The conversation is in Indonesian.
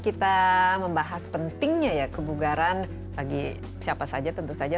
kita membahas pentingnya ya kebugaran bagi siapa saja tentu saja